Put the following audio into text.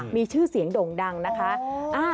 มีชื่อเสียงโด่งดังนะคะ